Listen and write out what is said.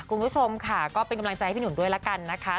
คุณผู้ชมค่ะก็เป็นกำลังใจให้พี่หนุ่มด้วยละกันนะคะ